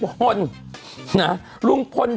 ดื่มน้ำก่อนสักนิดใช่ไหมคะคุณพี่